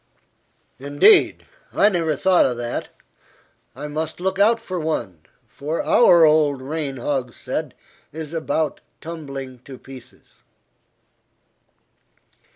"Indeed! I never thought of that. I must look out for one, for our old rain hogshead is about tumbling to pieces."